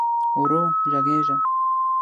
ورو ږغېږه !